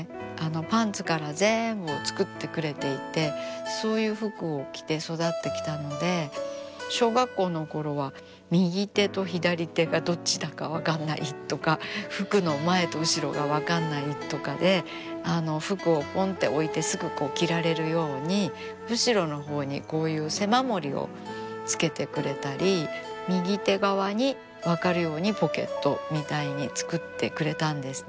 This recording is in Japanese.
パンツから全部を作ってくれていてそういう服を着て育ってきたので小学校のころは右手と左手がどっちだか分かんないとか服の前と後ろが分かんないとかで服をぽんって置いてすぐ着られるように後ろのほうにこういう背守りをつけてくれたり右手側に分かるようにポケットみたいに作ってくれたんですね。